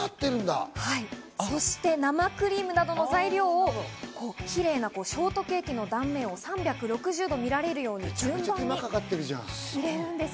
そして生クリームなどの材料をキレイなショートケーキの断面を３６０度見られるように順番に詰めるんです。